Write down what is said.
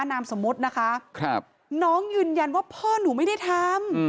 นามสมมุตินะคะครับน้องยืนยันว่าพ่อหนูไม่ได้ทำ